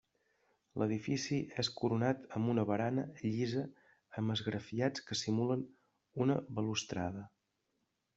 L'edifici és coronat amb una barana llisa amb esgrafiats que simulen una balustrada.